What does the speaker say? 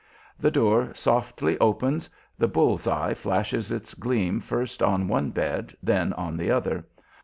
The door softly opens; the "bull's eye" flashes its gleam first on one bed, then on the other.